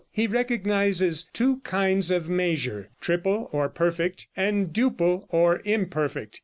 He recognizes two kinds of measure triple or perfect, and duple or imperfect.